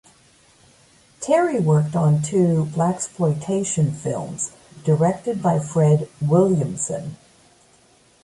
Terry worked on two blaxploitation films directed by Fred Williamson.